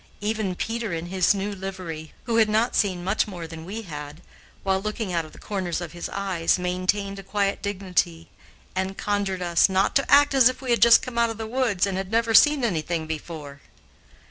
Even Peter in his new livery, who had not seen much more than we had, while looking out of the corners of his eyes, maintained a quiet dignity and conjured us "not to act as if we had just come out of the woods and had never seen anything before."